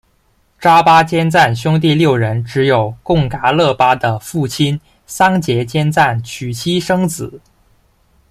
扎巴坚赞兄弟六人只有贡噶勒巴的父亲桑结坚赞娶妻生子。